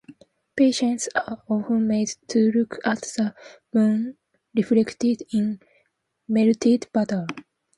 Patients are often made to look at the moon reflected in melted butter.